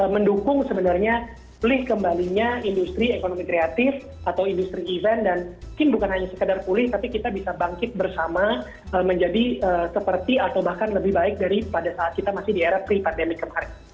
mendukung sebenarnya pulih kembalinya industri ekonomi kreatif atau industri event dan mungkin bukan hanya sekedar pulih tapi kita bisa bangkit bersama menjadi seperti atau bahkan lebih baik daripada saat kita masih di era pre pandemic kemarin